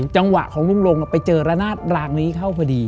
จังหวะของลุงลงไปเจอระนาดรางนี้เข้าพอดี